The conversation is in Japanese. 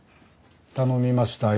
頼みましたよ。